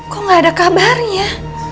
kok gak ada kabarnya